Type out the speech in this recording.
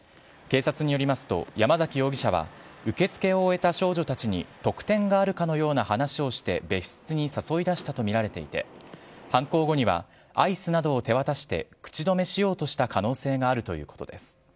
警察によりますと山崎容疑者は受け付けを終えた少女たちに特典があるかのような話をして別室に誘い出したとみられていて犯行後にはアイスなどを手渡して口止めしようとした可能性があるということです。